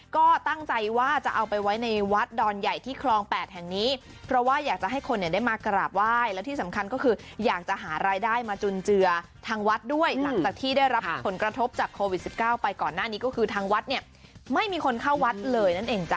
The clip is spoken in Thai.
ก็ตั้งใจว่าจะเอาไปไว้ในวัดดอนใหญ่ที่คลองแปดแห่งนี้เพราะว่าอยากจะให้คนเนี่ยได้มากราบไหว้และที่สำคัญก็คืออยากจะหารายได้มาจุนเจือทางวัดด้วยหลังจากที่ได้รับผลกระทบจากโควิด๑๙ไปก่อนหน้านี้ก็คือทางวัดเนี่ยไม่มีคนเข้าวัดเลยนั่นเองจ้